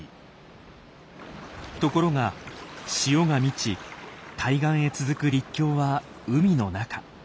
ところが潮が満ち対岸へ続く陸橋は海の中。